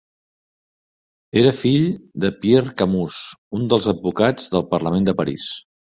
Era fill de Pierre Camus, un dels advocats del Parlament de París.